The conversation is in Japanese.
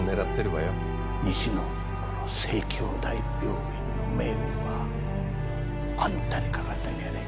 西のこの西京大病院の命運はあんたにかかってんのやで。